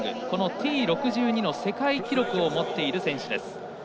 Ｔ６２の世界記録を持っている選手。